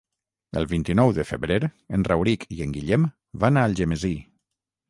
El vint-i-nou de febrer en Rauric i en Guillem van a Algemesí.